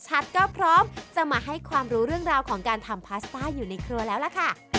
แหมกำลังเตรียมวัตถุดิบเลย